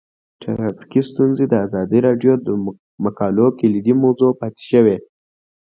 ټرافیکي ستونزې د ازادي راډیو د مقالو کلیدي موضوع پاتې شوی.